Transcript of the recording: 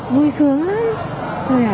vui sướng lắm